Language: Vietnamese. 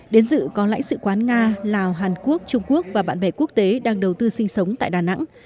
đến dự có lãnh sự quán nga lào hàn quốc trung quốc và bạn bè quốc tế đang đầu tư sinh sống tại đà nẵng